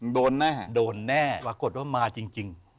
โดนแน่โดนแน่ปรากฏว่ามาจริง